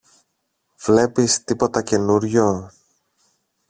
Βλέπεις τίποτα καινούριο;